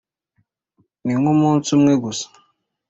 Ni nk umunsi umwe gusa